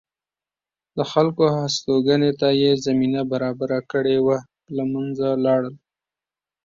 د خلکو هستوګنې ته یې زمینه برابره کړې وه له منځه لاړل